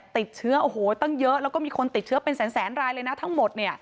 ติดเชื้อโอ้โหตั้งเยอะแล้วก็มีคนติดเชื้อเป็นแสนรายเลยนะทั้งหมด